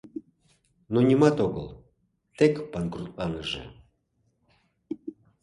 Но нимат огыл, тек панкрутланыже.